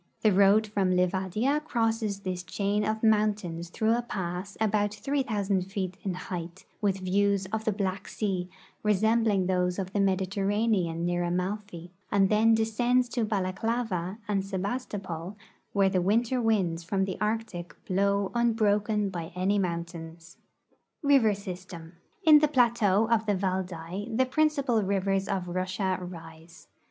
The road from Livadia crosses this chain of mountains through a pass about 3,000 feet in height, with views of the Black sea resembling those of the Mediterra nean near Amalfi, and then descends to Balaklava and Sebas to])ol, where the winter winds from the Arctic blow unljroken by any mountains. EIVER SYSTEM. In the plateau of the Valdai the principal rivers of Russia rise.